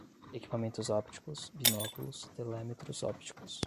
Equipamentos ópticos, binóculos, telémetros ópticos